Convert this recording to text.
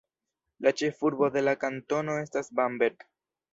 La ĉefurbo de la kantono estas Bamberg.